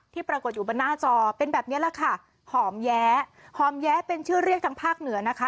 ปรากฏอยู่บนหน้าจอเป็นแบบนี้แหละค่ะหอมแย้หอมแย้เป็นชื่อเรียกทางภาคเหนือนะคะ